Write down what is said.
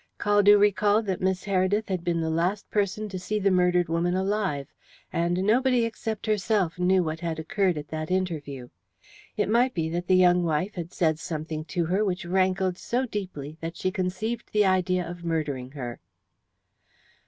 Caldew recalled that Miss Heredith had been the last person to see the murdered woman alive, and nobody except herself knew what had occurred at that interview. It might be that the young wife had said something to her which rankled so deeply that she conceived the idea of murdering her.